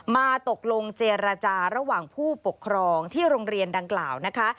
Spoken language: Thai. มาตกลงเจรจาระหว่างผู้ปกครองที่โรงเรียนดังกล่าวนะคะ